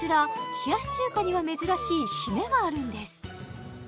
冷やし中華には珍しいシメがあるんです